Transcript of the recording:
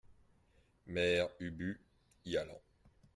Mère Ubu , y allant.